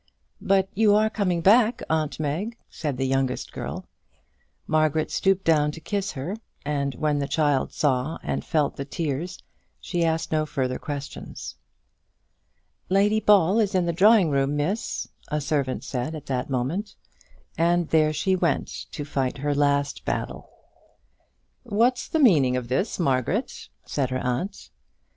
"But you are coming back, aunt Meg," said the youngest girl. Margaret stooped down to kiss her, and, when the child saw and felt the tears, she asked no further questions. "Lady Ball is in the drawing room, Miss," a servant said at that moment, and there she went to fight her last battle! "What's the meaning of this, Margaret?" said her aunt.